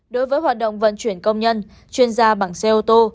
đối với hoạt động vận chuyển công nhân chuyên gia bằng xe ô tô